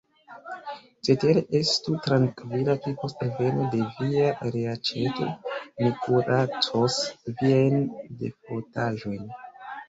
Cetere, estu trankvila: tuj post alveno de via reaĉeto, mi kuracos viajn defrotaĵojn.